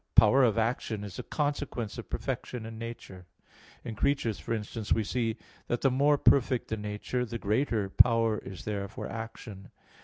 Power of action is a consequence of perfection in nature. In creatures, for instance, we see that the more perfect the nature, the greater power is there for action.